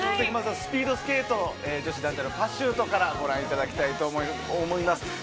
スピードスケート女子団体のパシュートからご覧いただきたいと思います。